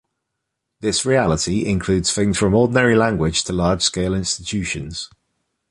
This reality includes things from ordinary language to large-scale institutions.